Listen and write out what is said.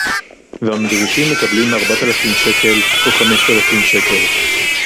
והמדריכים מקבלים ארבעת אלפים שקל או חמשת אלפים שקל